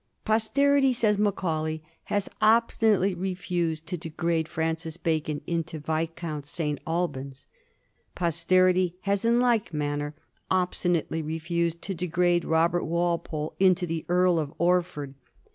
" Poster ity," says Macaulay, " has obstinately refused to degrade Francis Bacon into Viscount St. Albans." Posterity has in like manner obstinately refused to degrade Robert Walpole into the Earl of Orford.